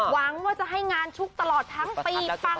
หวังว่าจะให้งานชุกตลอดทั้งปีปัง